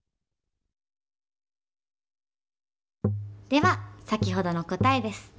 では先ほどの答えです。